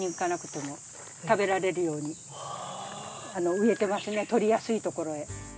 植えてますね採りやすいところへ。